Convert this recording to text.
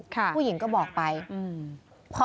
ผู้หญิงก็บอกไปอืม